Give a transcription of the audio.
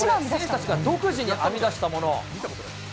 選手たちが独自に編み出したもの。